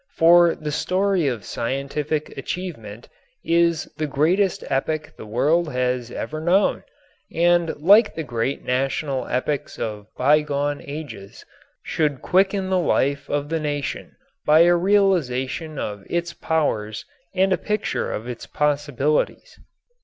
For the story of scientific achievement is the greatest epic the world has ever known, and like the great national epics of bygone ages, should quicken the life of the nation by a realization of its powers and a picture of its possibilities.